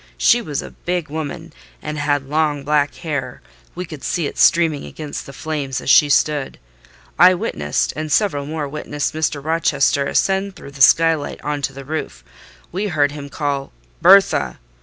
She was a big woman, and had long black hair: we could see it streaming against the flames as she stood. I witnessed, and several more witnessed, Mr. Rochester ascend through the sky light on to the roof; we heard him call 'Bertha!